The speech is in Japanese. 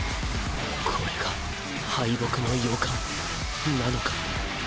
これが敗北の予感なのか？